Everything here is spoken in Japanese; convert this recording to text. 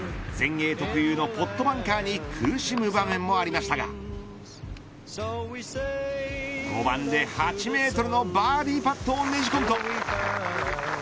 全英特有のポットバンカーに苦しむ場面もありましたが５番で８メートルのバーディーパットをねじ込むと。